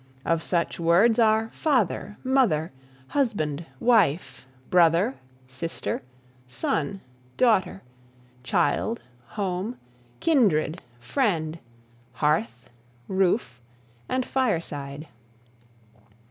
Of such words are father, mother, husband, wife, brother, sister, son, daughter, child, home, kindred, friend, hearth, roof and fireside.